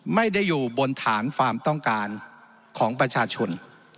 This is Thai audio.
ไม่ได้อยู่บนฐานความต้องการของประชาชน